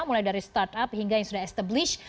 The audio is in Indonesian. mulai dari startup hingga yang sudah establish